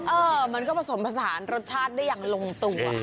เออมันก็ผสมผสานรสชาติได้อย่างลงตัว